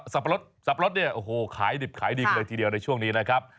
สับปะรดเนี่ยโอ้โหขายดิบขายดีกันเลยทีเดียวในช่วงนี้นะครับ